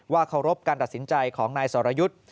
เคารพการตัดสินใจของนายสรยุทธ์